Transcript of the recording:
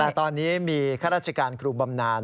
แต่ตอนนี้มีข้าราชการครูบำนาน